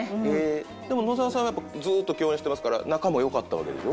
でも野沢さんはやっぱずっと共演してますから仲も良かったわけでしょ？